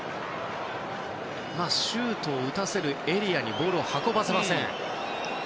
シュートを打たせるエリアにボールを運ばせません。